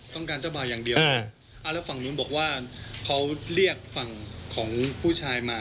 เจ้าบ่าวอย่างเดียวแล้วฝั่งนู้นบอกว่าเขาเรียกฝั่งของผู้ชายมา